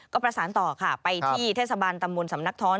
ก็ประสานต่อค่ะไปที่เทศบาลตำบลสำนักท้อน